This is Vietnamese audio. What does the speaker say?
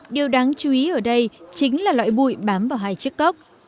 điều đáng chú ý ở đây chính là loại mụi bám vào hai chiếc ốc